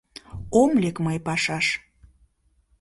Ом лек мый пашаш.